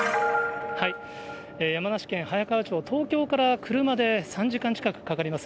山梨県早川町、東京から車で３時間近くかかります。